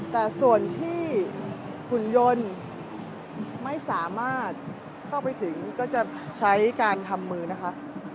แต่ส่วนที่หุ่นยนต์ไม่สามารถเข้าไปถึงก็จะใช้การทำมือนะคะ